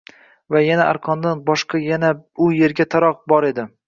Ha yana arqondan boshqa yana u yerda taroq bor edi.